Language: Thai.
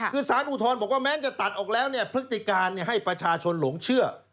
คือสารอุทธรณ์บอกว่าแม้จะตัดออกแล้วเนี่ยพฤติการให้ประชาชนหลงเชื่อ